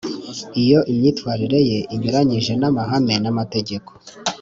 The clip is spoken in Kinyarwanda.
Iyo imyitwarire ye inyuranyije n amahame n amategeko